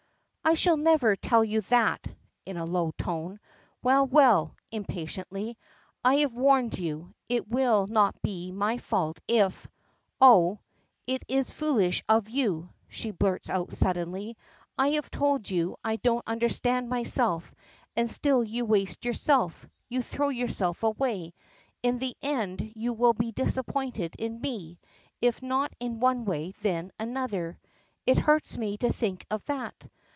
"I shall never tell you that," in a low tone. "Well, well," impatiently; "I have warned you. It will not be my fault if O! it is foolish of you!" she blurts out suddenly. "I have told you I don't understand myself: and still you waste yourself you throw yourself away. In the end you will be disappointed in me, if not in one way, then in another. It hurts me to think of that.